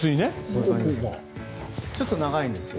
ちょっと長いんですよ。